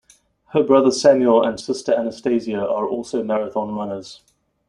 Her brother Samuel and sister Anastasia are also marathon runners.